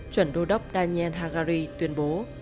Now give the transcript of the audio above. chuẩn đô đốc daniel hagari tuyên bố